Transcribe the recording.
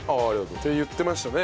って言ってましたね。